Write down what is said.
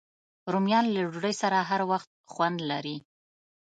رومیان له ډوډۍ سره هر وخت خوند لري